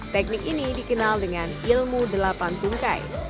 teknik ini dikenal dengan ilmu delapan tungkai